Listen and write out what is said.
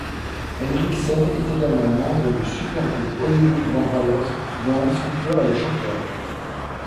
Henriksen est également membre du supergroupe Hollywood Vampires, dont Alice Cooper est le chanteur.